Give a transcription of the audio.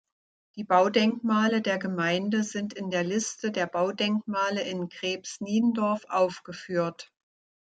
Die Baudenkmale der Gemeinde sind in der Liste der Baudenkmale in Grebs-Niendorf aufgeführt.